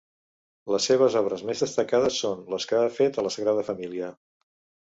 Les seves obres més destacades són les que ha fet a la Sagrada Família.